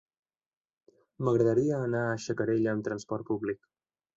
M'agradaria anar a Xacarella amb transport públic.